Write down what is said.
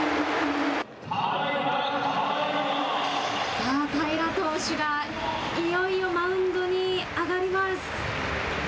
さあ、平良投手がいよいよマウンドに上がります。